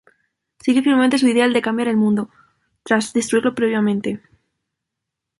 Sigue firmemente su ideal de cambiar el mundo, tras destruirlo previamente.